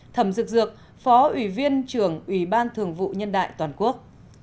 thẩm dược dược phó ủy viên trưởng ủy ban thường vụ nhân đại toàn quốc